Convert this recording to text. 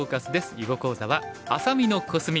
囲碁講座は「愛咲美のコスミ」。